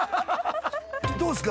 どうですか？